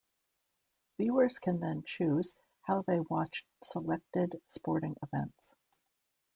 Viewers can then choose how they watch selected sporting events.